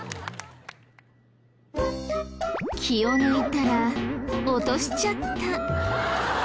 気を抜いたら落としちゃった。